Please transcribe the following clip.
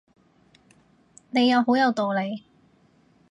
你又好有道理